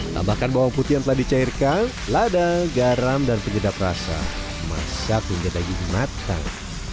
tambahkan bawang putih yang telah dicairkan lada garam dan penyedap rasa masak hingga daging matang